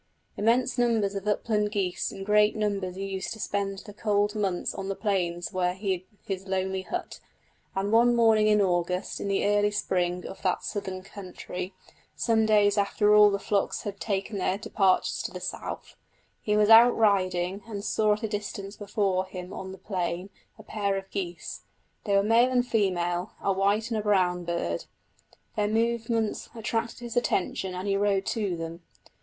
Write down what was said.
Immense numbers of upland geese in great flocks used to spend the cold months on the plains where he had his lonely hut; and one morning in August in the early spring of that southern country, some days after all the flocks had taken their departure to the south, he was out riding, and saw at a distance before him on the plain a pair of geese. They were male and female a white and a brown bird. Their movements attracted his attention and he rode to them.